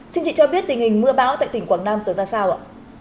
xin chị cho biết tình hình mưa báo tại tỉnh quảng nam sở ra sao ạ